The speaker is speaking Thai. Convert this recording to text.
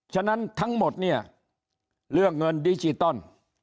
ฉะนั้นทั้งหมดเนี่ยเรื่องเงินดิจิตอล